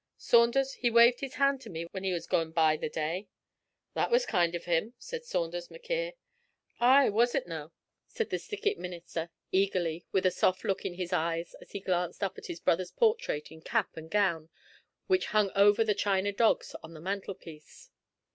Saunders, he waved his hand to me when he was gaun by the day!' 'That was kind of him,' said Saunders M'Quhirr. 'Ay, was it no',' said the Stickit Minister, eagerly, with a soft look in his eyes as he glanced up at his brother's portrait in cap and gown, which hung over the china dogs on the mantelpiece.